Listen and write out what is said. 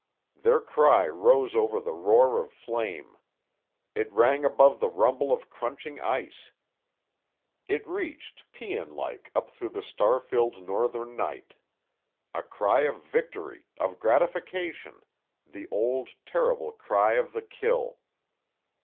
Their cry rose over the roar of flame. It rang above the rumble of crunching ice. It reached, pæan like, up through the star filled northern night—a cry of victory, of gratification, the old, terrible cry of the kill.